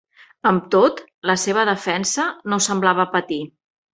Amb tot, la seva defensa no semblava patir.